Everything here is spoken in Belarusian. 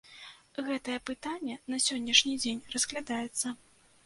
Гэтае пытанне на сённяшні дзень разглядаецца.